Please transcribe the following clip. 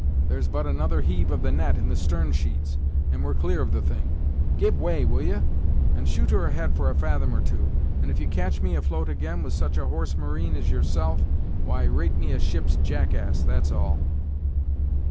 There's but another heave of the net in the stern sheets, and we're clear of the thing. Give way, will ye? and shoot her ahead for a fathom or two, and if you catch me afloat again with such a horse marine as yourself, why, rate me a ship's jackass, that's all."